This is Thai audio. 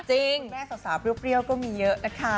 แม่สาวเปรี้ยวก็มีเยอะนะคะ